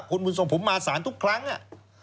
คุณบุญทรงผมมาสารทุกครั้งอ่ะ